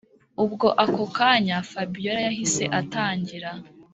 ubwo ako kanya fabiora yahise atangira